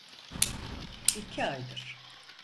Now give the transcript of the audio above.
İki aydır.